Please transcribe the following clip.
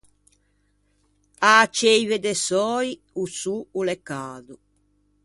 A-a Ceive de Söi o sô o l'é cado.